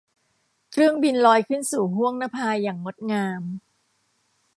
เครื่องบินลอยขึ้นสู่ห้วงนภาอย่างงดงาม